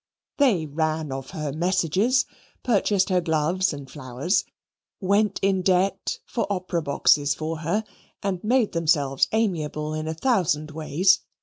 They ran of her messages, purchased her gloves and flowers, went in debt for opera boxes for her, and made themselves amiable in a thousand ways.